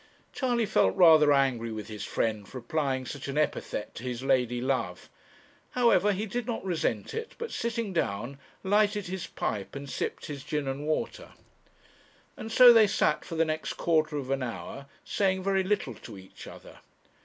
Charley felt rather angry with his friend for applying such an epithet to his lady love; however, he did not resent it, but sitting down, lighted his pipe and sipped his gin and water. And so they sat for the next quarter of an hour, saying very little to each other.